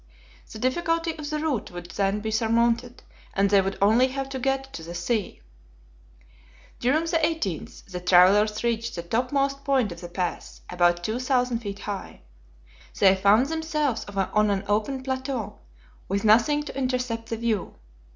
The difficulty of the route would then be surmounted, and they would only have to get to the sea. During the 18th the travelers reached the top most point of the pass, about 2,000 feet high. They found themselves on an open plateau, with nothing to intercept the view.